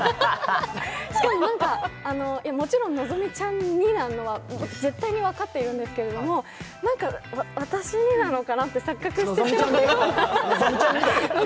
しかも、もちろん希美ちゃんにって絶対に分かっているんですけれども、なんか、私になのかなって錯覚しちゃって。